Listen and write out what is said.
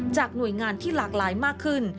หน่วยงานที่หลากหลายมากขึ้น